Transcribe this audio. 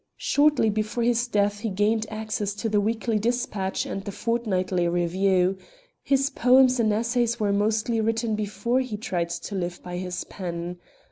Shortly before his death he gained access to the Weekly Dispatch and the Fortnightly Review. His poems and essays were mostly written before he tried to live by his pen.